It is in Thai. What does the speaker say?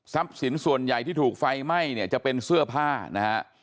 สินส่วนใหญ่ที่ถูกไฟไหม้เนี่ยจะเป็นเสื้อผ้านะฮะ